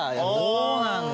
そうなんだ。